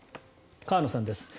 河野さんです。